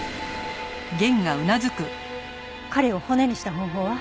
彼を骨にした方法は？